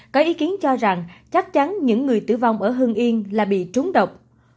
có ý kiến cho rằng chắc chắn những người tử vong ở hương yên là bị trúng độc